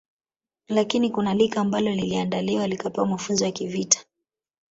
Lakini kuna lika ambalo liliandaliwa likapewa mafunzo ya kivita